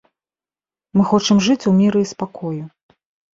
Мы хочам жыць у міры і спакою.